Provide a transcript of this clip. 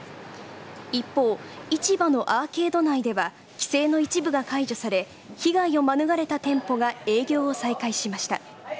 一方、市場のアーケード内では規制の一部が解除され被害を免れた店舗が営業を再開しました。